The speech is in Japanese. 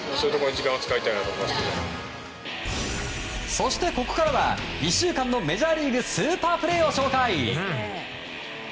そして、ここからは１週間のメジャーリーグスーパープレーを紹介！